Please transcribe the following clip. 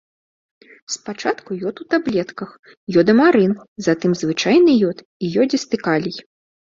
Спачатку ёд ў таблетках, ёдамарын, затым звычайны ёд і ёдзісты калій.